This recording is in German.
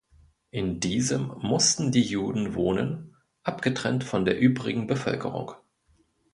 In diesem mussten die Juden wohnen, abgetrennt von der übrigen Bevölkerung.